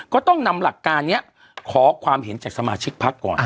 ก็ต้องนำหลักการนี้ขอความเห็นจากสมาชิกพักก่อน